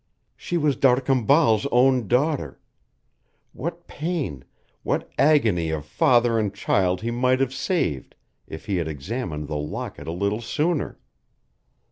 She was D'Arcambal's own daughter. What pain what agony of father and child he might have saved if he had examined the locket a little sooner!